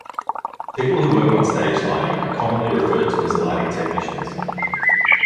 People who work on stage lighting are commonly referred to as lighting technicians.